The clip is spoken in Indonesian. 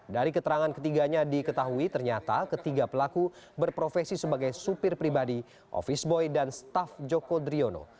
dari keterangan ketiganya diketahui ternyata ketiga pelaku berprofesi sebagai supir pribadi office boy dan staf joko driono